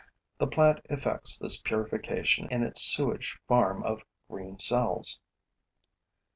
The plant effects this purification in its sewage farm of green cells.